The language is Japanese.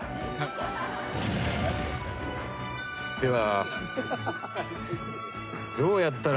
では。